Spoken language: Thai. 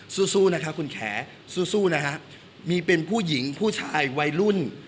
สู้นะคะคุณแขสู้นะฮะมีเป็นผู้หญิงผู้ชายวัยรุ่น